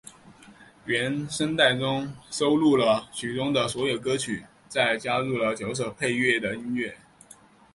原声带中收录了剧中的所有歌曲再加入九首配乐的音乐。